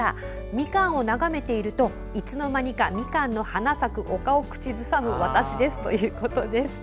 みかんを眺めているといつの間にか「みかんの花咲く丘」を口ずさむ私ですとのことです。